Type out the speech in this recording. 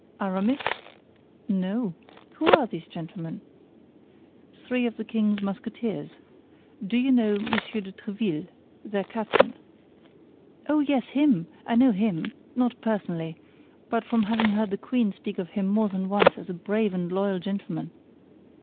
"Aramis?" "No. Who are these gentleman?" "Three of the king's Musketeers. Do you know Monsieur de Tréville, their captain?" "Oh, yes, him! I know him; not personally, but from having heard the queen speak of him more than once as a brave and loyal gentleman."